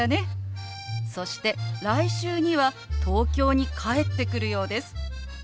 そして来週には東京に帰ってくるようです。